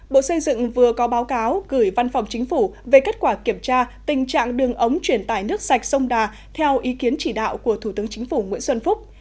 bộ xây dựng vừa có báo cáo gửi văn phòng chính phủ về kết quả kiểm tra tình trạng đường ống chuyển tải nước sạch sông đà theo ý kiến chỉ đạo của thủ tướng chính phủ nguyễn xuân phúc